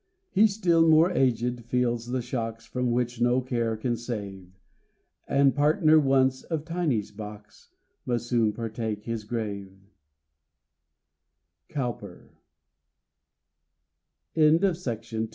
He, still more aged, feels the shocks From which no care can save, And, partner once of Tiney's box, Must soon partake his grave. Cowper. A TRANSIENT BOARDER. C.